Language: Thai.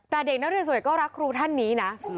แต่เด็กนักเรียนสวยก็รักครูท่านนี้นะ